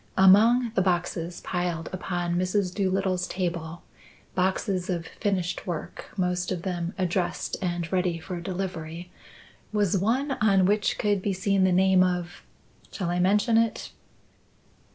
Among the boxes piled upon Mrs. Doolittle's table boxes of finished work, most of them addressed and ready for delivery was one on which could be seen the name of shall I mention it?"